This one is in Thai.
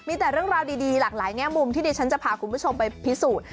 มีแต่เรื่องราวดีหลากหลายแง่มุมที่ดิฉันจะพาคุณผู้ชมไปพิสูจน์